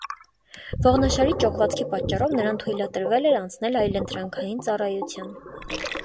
Ողնաշարի ճողվածքի պատճառով նրան թույլատրվել էր անցնել այլընտրանքային ծառայության։